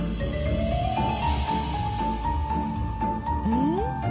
うん？